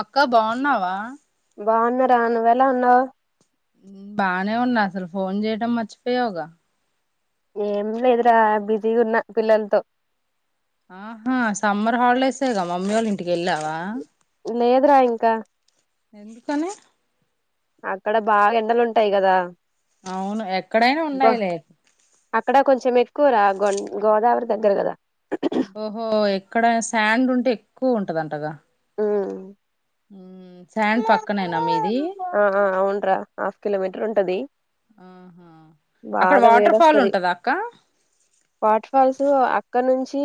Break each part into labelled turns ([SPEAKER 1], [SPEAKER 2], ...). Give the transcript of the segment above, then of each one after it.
[SPEAKER 1] అక్క బాగున్నావా
[SPEAKER 2] బాగున్నారా నువ్వు ఏలా ఉన్నావ్
[SPEAKER 1] బానే ఉన్నా అసలు ఫోన్ చేయటం మర్చిపోయావుగా
[SPEAKER 2] ఏం లేదురా బిజీ ఉన్నా పిల్లలతో
[SPEAKER 1] ఆహా సమ్మర్ హాలిడేసగా మమ్మీ వాళ్ళ ఇంటికి వెళ్ళావా
[SPEAKER 2] లేదురా ఇంకా
[SPEAKER 1] ఎందుకని
[SPEAKER 2] అక్కడ బాగా ఎండలు ఉంటాయ్ కదా
[SPEAKER 1] అవును ఎక్కడైనా
[SPEAKER 2] గో
[SPEAKER 1] ఉన్నాయి లే
[SPEAKER 2] అక్కడ కొంచెం ఎక్కువ రా గన్ గోదావరి దగ్గర కదా
[SPEAKER 1] ఓహో ఎక్కడైనా శాండ్ ఉంటే ఎక్కువ ఉంటదంటగ
[SPEAKER 2] హు
[SPEAKER 1] ఊ
[SPEAKER 2] అ ఆ అవునురా హాఫ్ కిలోమీటర్ ఉంటది
[SPEAKER 1] ఆహా అక్కడ
[SPEAKER 2] బాగా
[SPEAKER 1] వాటర్ ఫాల్
[SPEAKER 2] వేడొస్తది
[SPEAKER 1] ఉంటదా అక్క
[SPEAKER 2] వాటర్ ఫాల్స్ అక్కడ నుంచి చ్చి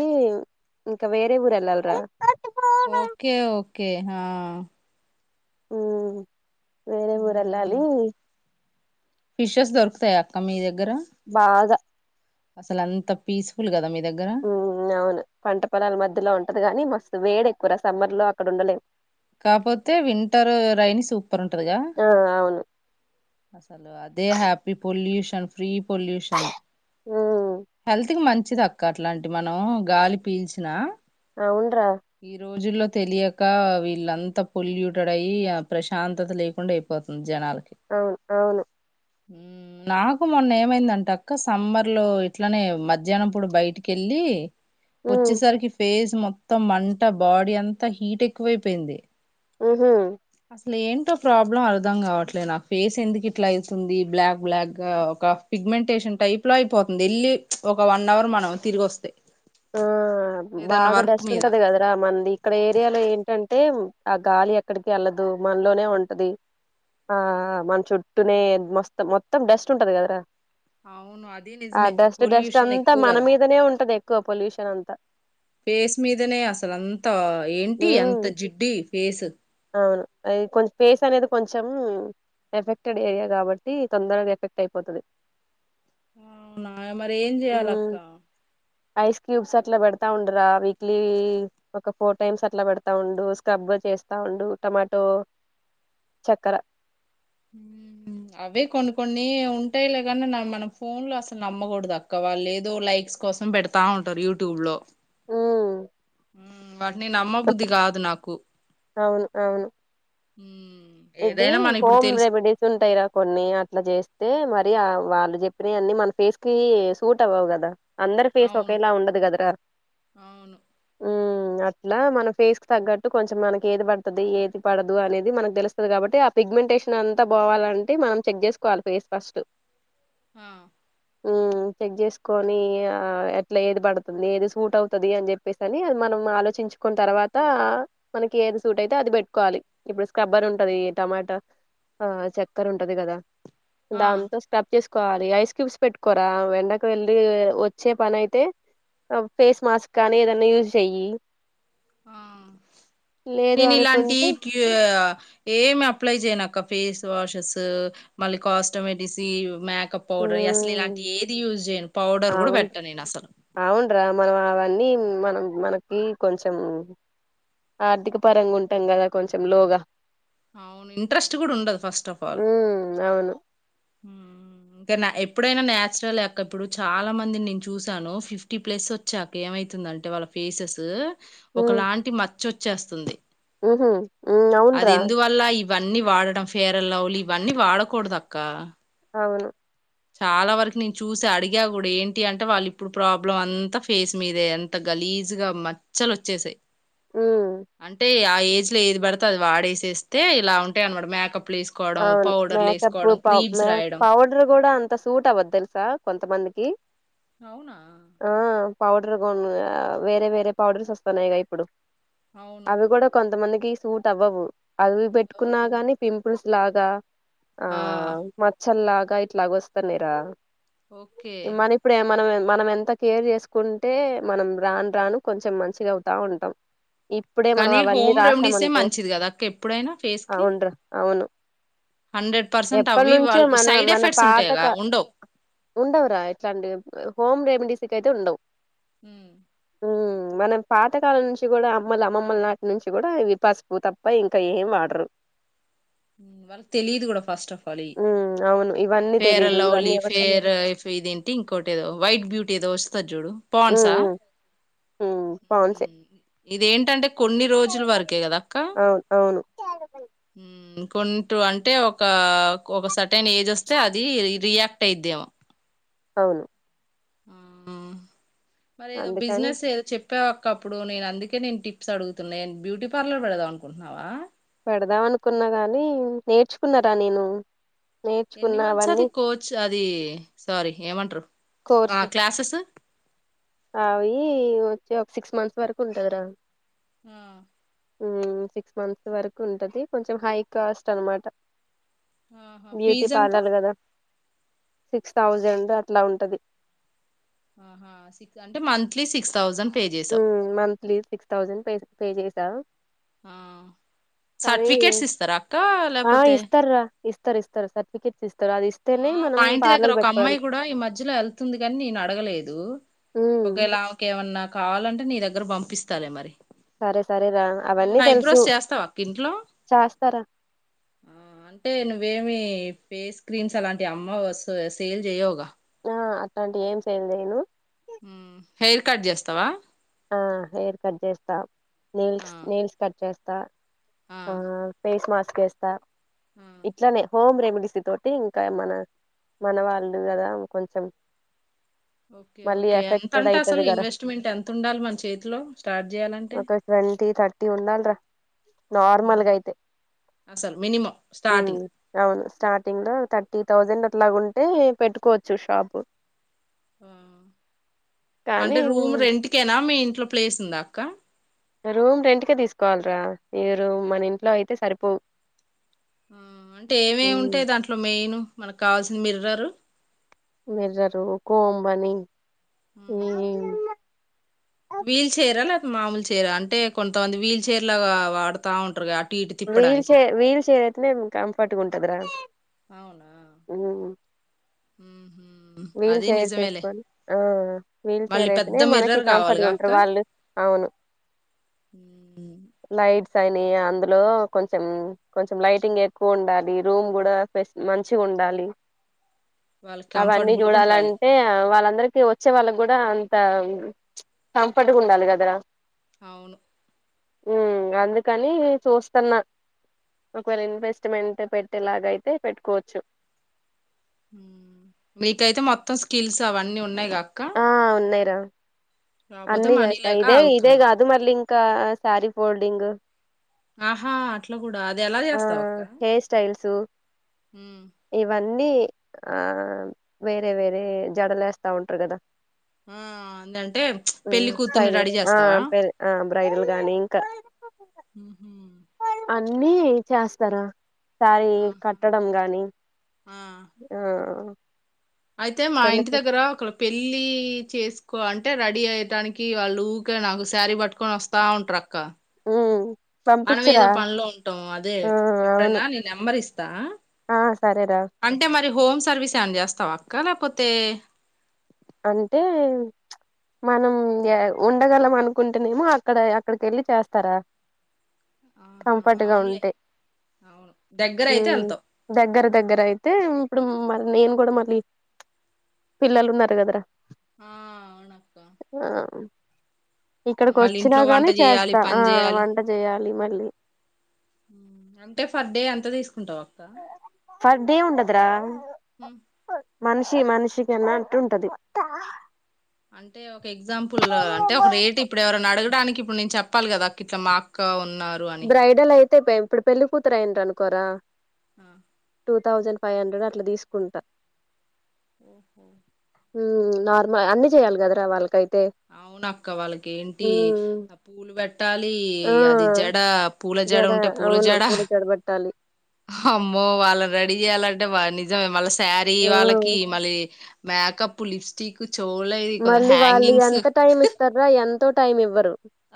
[SPEAKER 2] ఇంకా వేరే ఊరు వెళ్ళాలి రా
[SPEAKER 1] ఓకే ఓకే హ హ్
[SPEAKER 2] ఊ వేరే ఊరు
[SPEAKER 1] మ్మ్
[SPEAKER 2] వెళ్ళాలి.
[SPEAKER 1] ఫిషెస్ దొరుకుతాయ అక్క మీ ద్
[SPEAKER 2] బాగా
[SPEAKER 1] అసల అంత పీస్ఫుల్ కదా మీ దగ్గర
[SPEAKER 2] ఉ నైను పంట పొలాల మధ్యలో ఉంటది గాని మస్ వేడి ఎక్కువ్ రా సమ్మర్ లో అక్కడ ఉండలేవ్
[SPEAKER 1] కాపోతే వింటర్ రైని సూపర్ ఉంటదిగా
[SPEAKER 2] ఆ అవును
[SPEAKER 1] అసలు అదే హ్యాపీ పొల్యూషన్ ఫ్రీ పొల్యూషన్
[SPEAKER 2] ఉమ్
[SPEAKER 1] హెల్త్ కి మ మంచిది అక్క అట్లాంటి మనం గాలి పీల్చిన
[SPEAKER 2] అవున్ డ్ర
[SPEAKER 1] ఈ రోజుల్లో తెలియక వి ఇల్లంతా పొల్యూటెడ్ అయ్యి ఆ ప్రశాంతత లేకుండా అయిపోతుంది.
[SPEAKER 2] అవును అవును
[SPEAKER 1] హు, నాకు మొన్న ఏమైందంట అక్క సమ్మర్ లో ఇట్లనే మజ్యనంప్పుడు బయటికెళ్ళి
[SPEAKER 2] హ్మ్
[SPEAKER 1] వచ్చేసరికి ఫేజ్ మొత్తం మంట బాడీ అంతా హీట్ ఎక్కువై పింది
[SPEAKER 2] ఉహు
[SPEAKER 1] అసలు ఏంటో ప్రాబ్లం అర్ధం కావట్లే నాకు ఫేస్ ఎందుకు ఇట్లా అయితుంది, బ్లాక్ బ్లాక్ గా ఒక ఫిగ్మెంటేషన్ టైప్ లో అయిపోతుంది ఎన్ని చ్ ఒక వన్ అవర్ మనం తిరిగి వస్తే
[SPEAKER 2] ఆ
[SPEAKER 1] ఏదన్నా
[SPEAKER 2] బాగా
[SPEAKER 1] వర్క్
[SPEAKER 2] డస్ట్
[SPEAKER 1] మీద
[SPEAKER 2] ఉంటది కదరా మంది ఇక్కడ ఏరియాలో ఏంటం టేం ఆ గాలి ఎక్కడికి ఎళ్లదు మనలోనే ఉంటది, ఆ ఆ మన చుట్టూనే మస్తం మొత్తం డస్ట్ ఉంటది కదరా
[SPEAKER 1] అవును అది
[SPEAKER 2] ఆ
[SPEAKER 1] నిజమే
[SPEAKER 2] డస్ట్ డస్ట్
[SPEAKER 1] పొల్యూషన్
[SPEAKER 2] అంతా
[SPEAKER 1] ఎక్కువ
[SPEAKER 2] మన
[SPEAKER 1] కదా
[SPEAKER 2] మీదనే ఉంటది. క్కువ పొల్యూషన్ అంతా
[SPEAKER 1] పేస్ మీదనే అసలంత ఏంటి
[SPEAKER 2] హ్మ్.
[SPEAKER 1] అంత జిడ్డి ఫేసు
[SPEAKER 2] అవును అది కొంచ్ పేస్ అనేది కొంచెం, ఎఫెక్టెడ్ ఏరియా కాబట్టి తొందరగా ఎఫెక్ట్ అయిపోతది.
[SPEAKER 1] అవునా మరి ఏం జెయాల
[SPEAKER 2] హ్మ్.
[SPEAKER 1] అక్క
[SPEAKER 2] ఐస్ క్యూబ్స్ అట్లా పెడతా ఉండురా వీక్లీ ఒక ఫోర్ టైమ్స్ అట్లా పెడతా ఉండు స్క్రబ్ చేస్ త ఉండు టమాటో, చక్కర
[SPEAKER 1] అవే కొన్ని కొన్ని ఉంటాయిలే గనీ న మనం ఫోన్ లో అసలు నమ్మకూడదు అక్క వాళ్ళు ఏదో లైక్స్ కోసం పెడతా ఉంటారు యూటూబ్ లో
[SPEAKER 2] ఉ
[SPEAKER 1] వాటిని నమ్మ బుద్ధి కాదు నాకు
[SPEAKER 2] అవును అవును
[SPEAKER 1] హు
[SPEAKER 2] ఇది
[SPEAKER 1] ఏదైనా మనం ఇప్పుడు
[SPEAKER 2] హోమ్
[SPEAKER 1] తెలుసు
[SPEAKER 2] రెమెడీస్ ఉంటాయిరా కొన్ని అట్లా చేస్తే మ మ వాళ్ళు చెప్పినయి అన్నీ మన ఫేస్కి సూట్ అవ్వవు కదా అందరు ఫేస్
[SPEAKER 1] అవును
[SPEAKER 2] ఒకేలా ఉండదు కదరా
[SPEAKER 1] అవును
[SPEAKER 2] అట్లా మన ఫేస్ తగ్గట్టు కొంచెం మనకి ఏది పడుతది ఏది పడదు అనేది మనకు తెలు స్తది కాబట్టి ఆ పిగ్మెంటేషన్ అంతా పోవాలంటే మనం చెక్ చేసుకోవాలి ఫేస్ ఫస్ట్
[SPEAKER 1] ఆ
[SPEAKER 2] మ్ చెక్ చేస్కొని ఆ ఎట్లా ఏది పడుతుంది ఏది సూట్ అవుతది అని చెప్పేసి అని అది మనం ఆలోచించుకున్న తర్వాత మనకి ఏది సూట్ అయితే అది పెట్టుకోవాలి. ఇప్పుడు స్క్రబ్బర్ ఉ టది టమాటా ఆ చక్కర ఉంటది కదా
[SPEAKER 1] ఆ
[SPEAKER 2] దాంతో స్టప్ చేస్ కోవాలి ఐస్ క్యూబ్స్ పెట్టుకోరా వెండకు వెళ్ళి వచ్చే పని అయితే ఫేస్ మాస్క్ కానీ ఏదన్నా యూస్ చెయ్యి
[SPEAKER 1] ఆ
[SPEAKER 2] లేదు
[SPEAKER 1] నేను ఇలాంటి
[SPEAKER 2] అనుకుంటే
[SPEAKER 1] ఏమి అప్లై చేయనక ఒక ఫేస్ వాషస్ మళ్ళీ కాస్ట్మెటిసి మేకప్ పౌడర్ అసల్
[SPEAKER 2] ఉమ్
[SPEAKER 1] ఇలాంటి ఏది యూజ్ చేయను పౌడర్ కూడా
[SPEAKER 2] అవును
[SPEAKER 1] పెట్టను నేను అసలు
[SPEAKER 2] అవునరా మనం అవన్నీ మనం మనకి కొంచెం ఆర్థిక పరంగా ఉంటాం కదా కొంచెం లోగా
[SPEAKER 1] అవును ఇంట్రెస్ట్ గుడా ఉండదు ఫస్ట్ ఆఫ్ ఆల్
[SPEAKER 2] ఉమ్ అవును
[SPEAKER 1] మ్ ఎప్పుడైనా న్యాచురలే అక్క ఇప్పుడు చాలా మందిని నేను చూసాను ఫిఫ్టీ ప్లస్ వచ్చాక ఏమైతుందంటే వాళ్ళ ఫేసెస్ ఒకలాంటి మచ్ చొచ్చేస్తుంది.
[SPEAKER 2] ఉహూ ఉ అవున్రా
[SPEAKER 1] ఇవన్నీ వాడడం ఫేర్ అండ్ లవ్లీ ఇవన్నీ వాడకూడదక్క
[SPEAKER 2] అవును
[SPEAKER 1] చాలా వరకి నేను చూస అడిగా కూడా ఏంటి అంటే వాళ్ళు ఇప్పుడు ప్రాబ్లం అంతా ఫేస్ మీదే అంత గలీజ్గా మచ్చలు వచ్చేసయ్
[SPEAKER 2] హ్మ్.
[SPEAKER 1] అంటే ఆ ఏజ్లో ఏది పడితే అది వాడేసేస్తే ఇలా ఉంటాయి అన్నమాట మేకప్
[SPEAKER 2] అవును మేకప్ ప
[SPEAKER 1] క్రీమ్స్
[SPEAKER 2] మ
[SPEAKER 1] రాయడం
[SPEAKER 2] పౌడర్ గుడా అం త సూట్ అవ్వద్ తెలుసా కొంతమందికి
[SPEAKER 1] అవునా
[SPEAKER 2] ఆ! పౌడర్ వేరే వేరే పౌడర్స్ వస్తున్నయిగా ఇప్పుడు
[SPEAKER 1] అవును
[SPEAKER 2] అవి కూడా కొంతమంది కి సూట్ అవ్వవు అవి
[SPEAKER 1] ఓ,
[SPEAKER 2] పెట్టుకున్నా కాని పిం పుస్లాగా ఆ మచ్చల్లాగా ఇట్లాగ వస్తానయ్ రా
[SPEAKER 1] ఓకే
[SPEAKER 2] మనం ఇప్పుడ ఏ మనం మనం ఎంత కేర్ చేసుకుంటే మనం రాను రాను కొంచెం మంచిగా అవుతా ఉంటాం ఇప్పుడే మనం
[SPEAKER 1] కానీ
[SPEAKER 2] అవన్నీ
[SPEAKER 1] హోమ్ రెమెడీసే
[SPEAKER 2] రాసామనుకో
[SPEAKER 1] మంచిది కదా అక్క ఎప్పుడైనా ఫేస్ కి
[SPEAKER 2] అవునురా. అవును
[SPEAKER 1] హండ్రెడ్ పర్సెంట్
[SPEAKER 2] ఎప్పటి
[SPEAKER 1] అవి
[SPEAKER 2] నుంచో
[SPEAKER 1] వాళ్ళు
[SPEAKER 2] మన
[SPEAKER 1] సైడ్
[SPEAKER 2] మన
[SPEAKER 1] ఎఫెక్ట్స్
[SPEAKER 2] పాతక
[SPEAKER 1] ఉంటాయిగా
[SPEAKER 2] ఉండవరా ఇట్లాంటి హోమ్ రెమెడీస్ కైతే ఉండవు
[SPEAKER 1] హు
[SPEAKER 2] మనం పాతకాలం నుంచి కూడా అమ్మలు అమ్మమ్మల నాటి నుంచి కూడా అవి పసుపు తప్ప ఇంకా ఏం వాడరు
[SPEAKER 1] వాళ్ళకు తెలిదు కూడా ఫస్ట్ ఆఫ్ ఆల్ ఇయి
[SPEAKER 2] ఉమ్, అవును ఇవన్నీ
[SPEAKER 1] ఫేర్ అన్
[SPEAKER 2] తెలీదు ఇవన్నీ
[SPEAKER 1] లవ్లీ
[SPEAKER 2] ఎవరు చెప్-
[SPEAKER 1] ఫేర్ఫ్ ఇదేంటి ఇంకోటి ఏదో వైట్ బ్యూటీ ఏదో వస్తు జూడు పాండ్స్ ఆ
[SPEAKER 2] హ్మ్ పాండ్స్ ఏ
[SPEAKER 1] ఇదేంటంటే కొన్ని రోజుల వరకే కదా అక్క
[SPEAKER 2] అవును అవును
[SPEAKER 1] హ్మ్ కుంటూ అంటే ఒక ఒక సట్ ఏజ్ వస్తే అది రియాక్ట్ పైద్యం
[SPEAKER 2] అవును
[SPEAKER 1] హ్మ్ మరి ఏదో
[SPEAKER 2] అందుకని
[SPEAKER 1] బిజినెస్ ఏదో చెప్ చెప్పావ్ అక్క అప్పుడు నేను అందుకే నేను టిప్స్ అడుగుతున్నా నేను బ్యూటీ పార్లర్ పెడదాం అనుకుంటున్నావా
[SPEAKER 2] పెడదాం అనుకున్నా గాని నేర్చుకున్నారా నేను
[SPEAKER 1] ఎన్ని
[SPEAKER 2] నేర్చుకున్న
[SPEAKER 1] మంత్స్
[SPEAKER 2] అవన్నీ
[SPEAKER 1] అది కోచ్ అది సారీ ఏమంటరు ఆ
[SPEAKER 2] కోర్సు
[SPEAKER 1] క్లాసెస్
[SPEAKER 2] అవి వచ్చి ఒక సిక్స్ మంత్స్ వరకు ఉంటది రా
[SPEAKER 1] హ
[SPEAKER 2] ఉ సిక్స్ మంత్స్ వరకు ఉంటది కొంచెం హై కాస్ట్ అనమాట
[SPEAKER 1] ఆహా
[SPEAKER 2] బ్యూటీ
[SPEAKER 1] ఫీజ్ ఎంత
[SPEAKER 2] పార్లర్ కదా సిక్స్ థౌజండ్ అట్లా ఉంటది
[SPEAKER 1] ఆహా సిక్స్ అంటే మంత్లీ సిక్స్ థౌసండ్
[SPEAKER 2] ఉ monthly six thousand pay pay చేసా
[SPEAKER 1] ఆ
[SPEAKER 2] కానీ
[SPEAKER 1] సర్టిఫికేట్స్ ఇస్తారా అక్క
[SPEAKER 2] ఆ
[SPEAKER 1] లేకపోతే
[SPEAKER 2] ఇస్తారు రా ఇస్తారు ఇస్తారు సర్టిఫికెట్
[SPEAKER 1] ఆ మా ఇంటి దగ్గర ఒక అమ్మాయి
[SPEAKER 2] పెట్టుకోవడానికి
[SPEAKER 1] కూడా ఈ మధ్యలో వెళ్తుంది కాని నేను అడగలేదు
[SPEAKER 2] ఉమ్,
[SPEAKER 1] ఒకవేళ ఆమె కేమన్నా కావాలంటే నీ దగ్గర పంపిస్తాలే మరి
[SPEAKER 2] సరే సరే రా
[SPEAKER 1] నువ్వు
[SPEAKER 2] అవన్నీ తెలుసు
[SPEAKER 1] హైబ్రోస్ చేస్తావా ఒక్క ఇంట్లో
[SPEAKER 2] చేస్తారా
[SPEAKER 1] అంటే నువ్వేమి ఫేస్ క్రీమ్స్ అలాంటివి అమ్మవ సేల్ చేయవుగా
[SPEAKER 2] అట్లాంటి ఏం చేయలేను
[SPEAKER 1] హెయిర్ కట్ చేస్తావా
[SPEAKER 2] ఆ హెయిర్ కట్ చేస్తా
[SPEAKER 1] ఆ
[SPEAKER 2] నీల్స్ నీల్స్ కట్ చేస్తా త ఆ ఫేస్ మాస్క వేస్తా
[SPEAKER 1] ఆ
[SPEAKER 2] ఇట్లనే హోమ్ రెమెడీస్ తోటి ఇంకా మన మన వాళ్ళు కదా కొంచెం
[SPEAKER 1] ఓకే
[SPEAKER 2] మళ్ళీ
[SPEAKER 1] ఓకే
[SPEAKER 2] ఎఫెక్టెడ్
[SPEAKER 1] ఎంతంటే
[SPEAKER 2] అయితది
[SPEAKER 1] అసలు
[SPEAKER 2] కదా
[SPEAKER 1] ఇన్వెస్ట్మెంట్ ఎంత ఉ
[SPEAKER 2] ఒక ట్వంటీ థర్టీ ఉండాలరా
[SPEAKER 1] హ్మ్.
[SPEAKER 2] నార్మల్గా అయితే
[SPEAKER 1] అసలు మినిమమ్
[SPEAKER 2] హ్మ్
[SPEAKER 1] స్టార్టింగ్.
[SPEAKER 2] అవును స్టార్టింగ్ థర్టీ థౌజండ్ అట్లాగాంటే పెట్టుకోవచ్చు షాపు
[SPEAKER 1] అంటే
[SPEAKER 2] కానీ
[SPEAKER 1] రూమ్ రెంట్కేనా మీ ఇంటి ఇట్లో ప్లేస్ ఉందా అక్క
[SPEAKER 2] రూమ్ రెంట్కే తీసుకోవాలరా ఈ రూమ్ మన ఇంట్లో అయితే సరిపో
[SPEAKER 1] ఆ అంటే ఏమే ఉంటాయి దాంట్లో మెయిన్ మనకు కావాల్సింది మిర్రారు
[SPEAKER 2] మిరరు కోంబని
[SPEAKER 1] హ్మ్.
[SPEAKER 2] మి ఉమ్
[SPEAKER 1] వీల్ చైరా లేకా మామూలు చీరా అంటే కొంతమంది వీల్ చైర్ లాగా వాడుతా ఉంటారు క
[SPEAKER 2] వీల్ చే వీల్ చే కంఫర్ట్ ఉంటదరా
[SPEAKER 1] అవునా హ
[SPEAKER 2] వీల్ చైర్ వేసుకని వీల్
[SPEAKER 1] మళ్ళీ
[SPEAKER 2] చైర్
[SPEAKER 1] పెద్ద
[SPEAKER 2] అయితేనే మనకి
[SPEAKER 1] మిర్రర్
[SPEAKER 2] కంఫర్ట్గా
[SPEAKER 1] గావాలిగా అక్క?
[SPEAKER 2] ఉంటారు వాళ్ళు అవును
[SPEAKER 1] హ్మ్.
[SPEAKER 2] లైట్ సని అందులో కొంచెం కొంచెం లైటింగ్ ఎక్కువ ఉండాలి రూమ్ కూడాె మంచి ఉండాలి
[SPEAKER 1] వాళ్
[SPEAKER 2] అవన్నీ
[SPEAKER 1] కంఫర్ట్బల్
[SPEAKER 2] చూడాలంటే వాళ్ళందరికి వచ్చే వాళ్ళకి కూడా కంఫర్ట్గా ఉండాలి కదరా
[SPEAKER 1] అవును
[SPEAKER 2] అందుకని చూస్తున్నా ఒకవేళ ఇన్వెస్ట్మెంట్ పెట్టేలాగ అయితే పెట్టుకోవచ్చు
[SPEAKER 1] మీకైతే మొత్తం స్కిల్స్ అవన్నీ ఉన్నాయి్ కాక్క
[SPEAKER 2] ఉనాయిరా అన్ని చేస్తాయి
[SPEAKER 1] లేక
[SPEAKER 2] ఇదే ఇదే
[SPEAKER 1] ఆగుతున్నాం
[SPEAKER 2] కాదు మల్లి ఇంకా సారి ఫోల్డింగ్
[SPEAKER 1] ఆహా అట్లా కూడా అది ఎలా
[SPEAKER 2] ఆ
[SPEAKER 1] చేస్తావ అక్క
[SPEAKER 2] హెయిర్ అన్ని ఆ వేరే వేరే జడలు వేస్తా ఉంటారు కదా
[SPEAKER 1] ఆ అం
[SPEAKER 2] స్టైలి ఆ పె బ్రైడల్ గానీ ఇంకా
[SPEAKER 1] ఉహు,
[SPEAKER 2] అన్ని చేస్తారా సారీ
[SPEAKER 1] ఆహా
[SPEAKER 2] కట్టడం గానీ.
[SPEAKER 1] ఆ అయితే మా
[SPEAKER 2] పెళ్లి
[SPEAKER 1] ఇంటి
[SPEAKER 2] కూతు
[SPEAKER 1] దగ్గరా అక్కడ పెళ్ ళ్ళీ చేసుకో అంటే రెడీ అయటానికీ వాళ్ళు ఊకే నాకు శారీ పట్టుకొని వస్తా ఉంటరు అక్కా.
[SPEAKER 2] ఉమ్
[SPEAKER 1] మనం ఏదో
[SPEAKER 2] పంపించరా
[SPEAKER 1] పనిలో ఉంటం అదే,
[SPEAKER 2] ఆ అవును
[SPEAKER 1] ఎప్పుడన్నా నీ నెంబర్ ఇస్తా.
[SPEAKER 2] ఆ సరేరా
[SPEAKER 1] అంటే మరి. హోమ్ సర్వీస్ ఏమన్న చేస్తావా అక్కా లేకపోతే.
[SPEAKER 2] అంటే ప్చ్ మనం ఎ ఉండగలం అనుకుంటేనేమో అక్కడ అక్కడికెళ్ళి చేస్తారా.
[SPEAKER 1] ఆహా
[SPEAKER 2] కంఫర్ట్ గా
[SPEAKER 1] అవునులే.
[SPEAKER 2] ఉంటే
[SPEAKER 1] అవును దగ్గర అయితే
[SPEAKER 2] ఉమ్
[SPEAKER 1] యెల్తావ్.
[SPEAKER 2] దగ్గర దగ్గర అయితే ఇప్పుడు మరి నేను కూడా మళ్ళీ ప్చ్ పిల్లలు ఉన్నరు కదా.
[SPEAKER 1] ఆ అవునక్క
[SPEAKER 2] [unintelligible] ఆ ఇక్కడికి
[SPEAKER 1] మళ్ళీ
[SPEAKER 2] వచ్చినా
[SPEAKER 1] ఇంట్లో వంట
[SPEAKER 2] కానీ
[SPEAKER 1] చేయాలి
[SPEAKER 2] చేస్తా.
[SPEAKER 1] పని
[SPEAKER 2] ఆ
[SPEAKER 1] చేయాలి
[SPEAKER 2] వంట చేయాలి మల్ లి
[SPEAKER 1] అంటే ఫర్ డే ఎంత తీసుకుంటవు అక్కా.
[SPEAKER 2] For day ఉండదురా.
[SPEAKER 1] హమ్
[SPEAKER 2] మనిషి మనిషికి అన్నట్టు ఉంటది.
[SPEAKER 1] అంటే ఒక ఎగ్ ఎగ్జాంపుల్ల్ అంటే ఒక రేట్ ఇప్పుడు ఎవరిన్న అడగడానికి ఇప్పుడు నేన్ చెప్ ప్పాలి కదా అక్క ఇట్ల మా అక్కా ఉం న్నారు అని.
[SPEAKER 2] తే ఇప్పుడు పెళ్ళి కూతురు అయింద్ అనుకోరా
[SPEAKER 1] ఆ
[SPEAKER 2] టూ థౌజండ్ ఫై హండ్రెడ్ అట్ల తీసుకుంటా. ఉమ్ నార్మల్ అన్నీ జెయాలి కదరా వాళ్ళకైత్
[SPEAKER 1] అవునక్కా వాళ్ళకి ఏంటీ,
[SPEAKER 2] ఉమ్
[SPEAKER 1] ఆ పూలు పెట్ ట్టాలీ
[SPEAKER 2] ఆ
[SPEAKER 1] అది జడా పూల జడ ఉంటే పూల
[SPEAKER 2] అవును
[SPEAKER 1] జడా,
[SPEAKER 2] జడ పెట్టాలి
[SPEAKER 1] అమ్మో వాళ్ళని రెడీ జెయాలంట డవ్వా నిజమే మళ్ళ స్ శారీ
[SPEAKER 2] ఆ
[SPEAKER 1] వాళ్ళకీ, మళ్ళీ మేకప్ లిప్స్టిక్కు చోవలది కొల హాంగింగ్స్.
[SPEAKER 2] త టైం ఇస్తర్ర ఎంతో టైం ఇవ్వరు.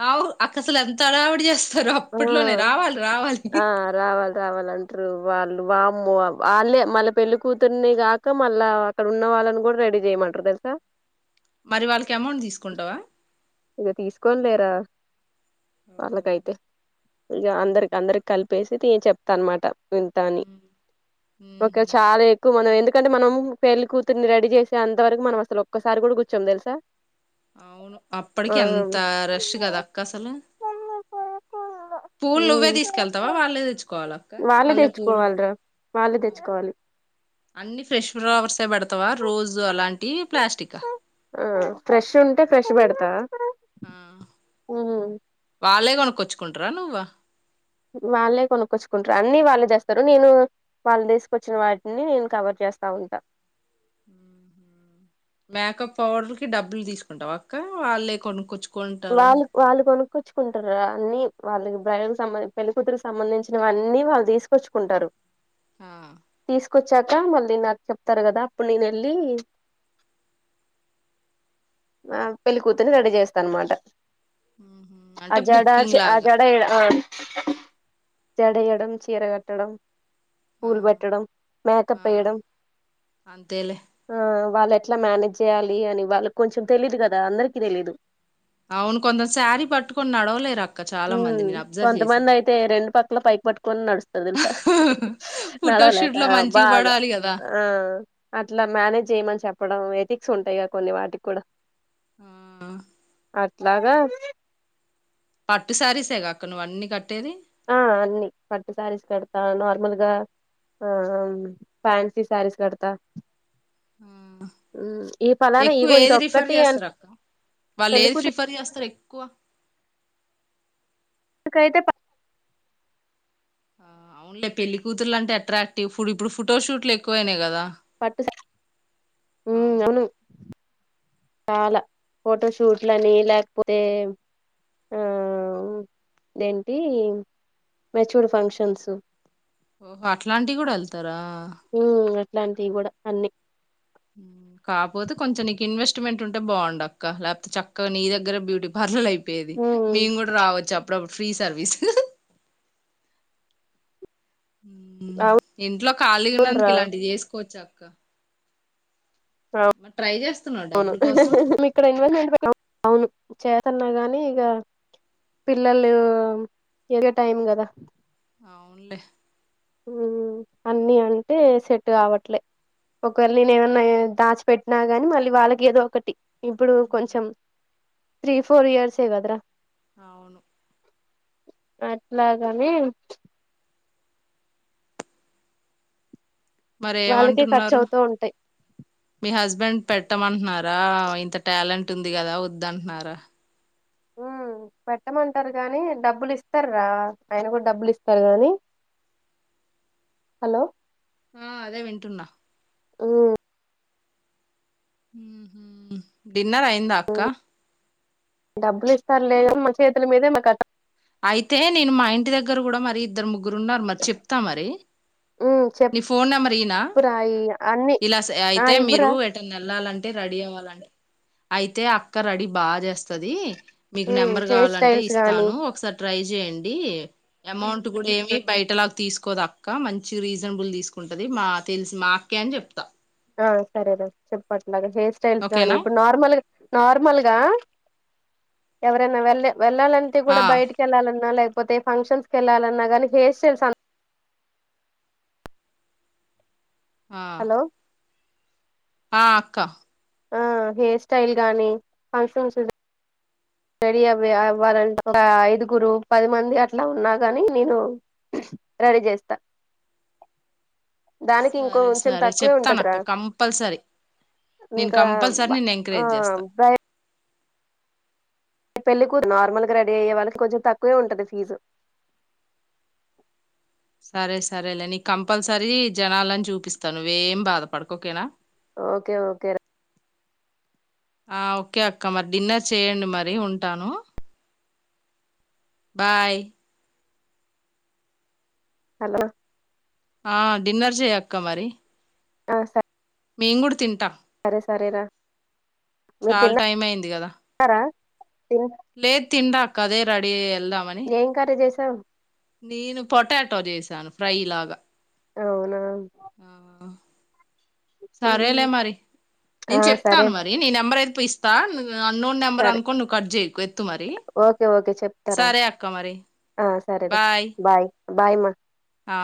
[SPEAKER 1] ఆవు అక్కసలు ఎంత హడావుడి చేస్
[SPEAKER 2] ఆ ఆ రావాలి రావాలంట్రూ వాళ్ళు వా వాళ్ళే మళ్ళ పెళ్లి కూతుర్ని కాక మళ్ళా అక్కడ ఉన్న వాళ్ళని కూడ రెడీ చేయమంటరు తెలుసా.
[SPEAKER 1] మరి వాళ్ళకి అమౌంట్ తీసుకుంటావా.
[SPEAKER 2] ఇగ తీసుకోన్లేరా.
[SPEAKER 1] ఓ
[SPEAKER 2] వాళ్ళకైతే ఇక అందరికి అందరికి కలిపి [unintelligible] చెప్పేసి నే చెప్తా అనమాట వితాని ఓకే
[SPEAKER 1] ఉహు
[SPEAKER 2] చాలా ఎక్కువ మనం ఎందుకు [unintelligible] ఎందుకంటే మనం పెళ్ళి కూతుర్ని రెడీ చేసే అంత వరకు మనం అసలు ఒక్కసారి కూడా కూర్చోం తెలుసా
[SPEAKER 1] అవును అప్పటికి
[SPEAKER 2] ఆ
[SPEAKER 1] ఎంత రష్ కదా అక్క అసలు పూలు నువ్వే
[SPEAKER 2] ఉమ్
[SPEAKER 1] తీసుకెళ్తావా వాళ్ళే తెచ్చుకోవాల అక్క
[SPEAKER 2] వాళ్ళే
[SPEAKER 1] మల్లె పూలు
[SPEAKER 2] తెచ్చుకోవాలిరా వాళ్ళే తెచ్చుకోవాలి
[SPEAKER 1] అన్ని ఫ్రెష్ ఫ్లవర్స్ పెడతావా రోస్ అలాంటి ప్లాస్టికా
[SPEAKER 2] ఆ ఫ్రెష్ ఉంటే ఫ్రెష్ పెడతా
[SPEAKER 1] ఆ
[SPEAKER 2] ఉ
[SPEAKER 1] వాలే కొనక్కొచ్చుకుంటరా నువ్్వ
[SPEAKER 2] వాళ్ళే కొనుక్కచ్చుకుంటారు అన్ని వాళ్ళే చేస్తారు నేను వాళ్ళు తీసుకొచ్చిన వాటిని నేను కవర్ చేస్తా ఉంటా
[SPEAKER 1] మేకప్ పౌడర్ కి డబ్బులు తీసుకుంటవ అక్క వాళ్ళే కొనుకొచ్చు
[SPEAKER 2] వాళ్ళు వాళ్ళు కొను కొచ్చుకుంటారు అన్ని వాళ్ళకి బ్రైడల్ కి సంబందిం పెళ్లిికూతురికి సంబంధించినవివన్నీ వాళ్ళు తీసుకొచ్చుకుంటారు
[SPEAKER 1] ఆ
[SPEAKER 2] తీసు ొచ్చాక మళ్ళీ నాకు చెప్తారు కదా అప్పుడు నేను వెళ్ళి ఆ పెళ్ళి కూతుర్ని రెడీ చేస్తా అనమాట
[SPEAKER 1] ఉహు. అంటే
[SPEAKER 2] అజడా
[SPEAKER 1] బుకింగ్ లాగా
[SPEAKER 2] అజడా ఎయడ ఆ జడఏయడం చీర కట్టడం
[SPEAKER 1] ఆ
[SPEAKER 2] పూలు పెట్టడం మేకప్
[SPEAKER 1] ఆ
[SPEAKER 2] వేయడం
[SPEAKER 1] అంతేలే
[SPEAKER 2] ఆ వాళ్ళు ఎట్లా మేనేజ్ చేయాలి అని వాళ్ళకి కొంచెం తెలీదు కదా అందరికీ తెలీదు
[SPEAKER 1] అవును కొంత శారీ పట్టుకొని నడవలేరు అక్క
[SPEAKER 2] ఊ
[SPEAKER 1] చాలా మంది నేను అబ్జర్వ్ చేశా
[SPEAKER 2] కొంతమంది అయితే రెండు పక్కల పైకి పట్టుకొని నడుస్తరు తెలుసా ఆ ఆ
[SPEAKER 1] ఫోటోషూట్
[SPEAKER 2] నడవలేక
[SPEAKER 1] లో మంచిగా
[SPEAKER 2] బాగా
[SPEAKER 1] పడాలి కదా
[SPEAKER 2] ఆ అట్లా మేనేజ్ చేయ్యమని చెప్ప ఎథిక్స్ ఉంటాయిగా కొన్ని వాటికి కూడా
[SPEAKER 1] ఆ
[SPEAKER 2] అట్లాగా
[SPEAKER 1] పట్టు సారీసేగా అక్క నువ్వు అన్ని కట్టేది
[SPEAKER 2] ఆ అన్ని పట్టు శారీస్ కడతా నార్మల్గా ఆ ఫ్యాన్సీ శారీస్ కడతా ఈ పలానా
[SPEAKER 1] ఎక్కువ
[SPEAKER 2] ఇగో ఇది
[SPEAKER 1] ఏది రిఫర్
[SPEAKER 2] ఒక్కటి అని
[SPEAKER 1] చేస్తారు అక్క వాళ్ళు
[SPEAKER 2] పెళ్లి
[SPEAKER 1] ఏది ప్రిఫర్ చేస్తారు ఎక్ కు [unintelligible]
[SPEAKER 2] కైతే పా [inaudible]
[SPEAKER 1] అవునులే పెళ్లి కూతురులు అంటే అట్రాక్టివ్ ఇప్పుడు ఇప్పుడు ఫోటోషూట్లు ఎక్కువ అయినయి కదా
[SPEAKER 2] పట్టు సారీ ఉ అవును చాలా ఫోటోషూట్లని లేకపోతే ఆ అదేంటి మెచ్యూర్డ్ ఫంక్షన్స్
[SPEAKER 1] ఓహో అట్లాంటివి కూడా వెళ్తారా
[SPEAKER 2] ఇట్లాంటివి కూడా అన్ని
[SPEAKER 1] హ [unintelligible] కాపోతే కొంచెం నీకి ఇన్వెస్ట్ మెంట్ ఉంటే బావుండు అక్క లేకపో చక్కగా నీ దెగ్గరే బ్యూటీ పార్లర్ అయి పోయేది
[SPEAKER 2] ఉమ్
[SPEAKER 1] మేము కూడా రావచ్చు అప్పుడప్పు ఫ్రీ సర్వీస్ ఇంట్లో
[SPEAKER 2] అవును
[SPEAKER 1] ఖళీగున్నందుకు
[SPEAKER 2] రా
[SPEAKER 1] ఇలాంటివి చేసుకోవచ్చా అ క్క మ ట్రై చేస్త
[SPEAKER 2] అవును ఇక్కడ ఇన్వెస్ట్మెంట్ పెట్ అవును చేతన్నా గాని ఇక పిల్లలు ఎదిగే టైం కదా
[SPEAKER 1] అవునులే
[SPEAKER 2] మ్ అన్ని అంటే సెట్ కావట్లే ఒకవేళ నేనేమన్నా దాచిపెట్టినా గాని మళ్ళీ వాళ్ళకి ఏదో ఒకటి ఇప్పుడు కొంచెం త్రీ ఫోర్ ఇయర్స్ ఏ గదరా
[SPEAKER 1] అవును
[SPEAKER 2] అట్లాగనే
[SPEAKER 1] మరి
[SPEAKER 2] వాళ్ళకీ ఖర్చు
[SPEAKER 1] ఏమంటున్నారు
[SPEAKER 2] అవుతూ ఉంటాయి
[SPEAKER 1] మీ హస్బెండ్ పెట్టమంటన్నారా ఇంత టాలెంట్ ఉంది కదా వద్దంట్నరా
[SPEAKER 2] మ్ పెట్టమంటారు కానీ డబ్బులు ఇస్తార్ రా ఆయన కూడా డబ్బులు ఇస్తారు గానీ హలో
[SPEAKER 1] ఆ అదే వింటున్నా
[SPEAKER 2] మ్
[SPEAKER 1] డిన్నర్ అయిందా అక్క
[SPEAKER 2] డబ్బులు ఇస్తారో లేదో మన చేతుల మీదే మాకు అర్
[SPEAKER 1] అయితే నేను మా ఇంటి దగ్గర కూడా మరి ఇద్దరు ముగ్గురు గురున్నారు మరి చెప్తా మరి
[SPEAKER 2] ఉమ్
[SPEAKER 1] నీ ఫోన్ నెంబర్ ఈయనా
[SPEAKER 2] చెప్పురా ఈ అన్ని
[SPEAKER 1] ఇలా
[SPEAKER 2] ఆ
[SPEAKER 1] అయితే మీరు
[SPEAKER 2] ఇవ్వురా
[SPEAKER 1] ఎటన్న వెళ్లాలంటే టే రెడీ అవ్వాలండి అయితే అక్క రెడీ బాగా చేస్త స్తదీ మీకు
[SPEAKER 2] ఉమ్
[SPEAKER 1] నెంబర్
[SPEAKER 2] హెయిర్
[SPEAKER 1] కావాలంటే
[SPEAKER 2] స్టైల్స్ గానీ
[SPEAKER 1] ఇస్తాను ఒకసారి ట్రై చేయండి అమౌంట్ కూడా ఏమి బయటలాగా తీసుకోదు అక్క మంచి రీజ బుల్ తీసుకుంటది మా తెలుసు మా అక్కే అని చెప్తా
[SPEAKER 2] ఆ సరేన చెప్పండి అలాగ హెయిర్ స్టైల్స్ గానీ
[SPEAKER 1] ఓకేనా
[SPEAKER 2] ఇప్పుడు నార్మల్గా నార్మల్ గా ఎవరన్నా వెళ్ళే వెళ్లాలంటే కూడా
[SPEAKER 1] ఆ
[SPEAKER 2] బయటికి వెళ్ళాలన్నా లేదా కాకపోతే ఫంక్షన్స్ కెళ్ళాలన్నా కానీ హెయిర్ స్టైల్స్ అ
[SPEAKER 1] ఆ
[SPEAKER 2] హలో
[SPEAKER 1] ఆ అక్క
[SPEAKER 2] ఆ హెయిర్ స్టైల్ గాని ఫంక్షన్స్ రెడీ అవ అవ్వాలంటే ఒక ఐదుగురు పది మంది అట్లా ఉన్నా కాని నేను రెడీ చేస్తా దానికి ఇంకో
[SPEAKER 1] సరే
[SPEAKER 2] కొంచెం
[SPEAKER 1] సరే
[SPEAKER 2] తక్కువే
[SPEAKER 1] చెప్తాను
[SPEAKER 2] ఉంటదిరా
[SPEAKER 1] అక్క కంపల్సరీ నేను
[SPEAKER 2] ఇంకా
[SPEAKER 1] కంపల్సరీ నేను
[SPEAKER 2] ఆ
[SPEAKER 1] ఎంకరేజ్ చేస్తాను
[SPEAKER 2] పెళ్ళి కూ నార్మల్గా రెడీ అయ్యే వాళ్ళకి కొంచెం తక్కువే ఉంటంది ఫీజు
[SPEAKER 1] సరే సరేలే నీ కంపల్సరీ జనాలని చూపిస్తాను నువ్వ ఏం బాధపడక ఓకేనా
[SPEAKER 2] ఓకే ఓకే
[SPEAKER 1] ఆ ఓకే అక్క మరి డిన్నర్ చేయండి మరి ఉంటాను బాయ్
[SPEAKER 2] హలో
[SPEAKER 1] ఆ డిన్నర్ చెయ్యక్క మరి
[SPEAKER 2] ఆ సరే
[SPEAKER 1] మేము కూడా తింటాం
[SPEAKER 2] సరే సరే రా
[SPEAKER 1] చాలా టైం అయింది కదా
[SPEAKER 2] తిన్నారా తిన్
[SPEAKER 1] లే తిండా కదే రడి
[SPEAKER 2] ఏం కర్రీ చేస త
[SPEAKER 1] నేను పొటాటో చేసాను ఫ్రై లాగా
[SPEAKER 2] అవునా
[SPEAKER 1] ఆ సరేలే మరి
[SPEAKER 2] ఆ
[SPEAKER 1] నేను
[SPEAKER 2] సరే
[SPEAKER 1] చెప్తాను మరి నీ నెంబర్ అయితే ప ఇస్తా అన్నోన్ నెంబర్
[SPEAKER 2] సరే
[SPEAKER 1] అనుకోండి నువ్వు కట్ చేయ ఎత్తు మరి
[SPEAKER 2] ఓకే ఓకే చెప్తారా
[SPEAKER 1] సరే అక్క మరి
[SPEAKER 2] ఆ సరేరా
[SPEAKER 1] బాయ్
[SPEAKER 2] బాయ్ మా
[SPEAKER 1] ఆ